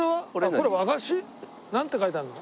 これ和菓子？なんて書いてあるの？